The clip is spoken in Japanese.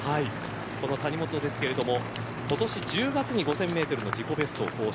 この谷本ですが今年１０月に５０００メートルの自己ベストを更新。